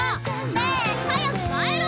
ねえ早く帰ろ！